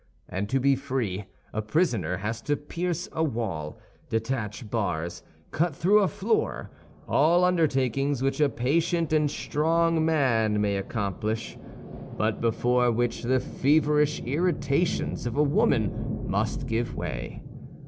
And to be free, a prisoner has to pierce a wall, detach bars, cut through a floor—all undertakings which a patient and strong man may accomplish, but before which the feverish irritations of a woman must give way.